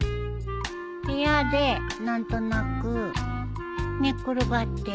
部屋で何となく寝っ転がって。